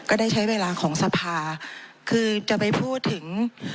ก็ได้ใช้เวลาของสภาคือจะไปพูดถึง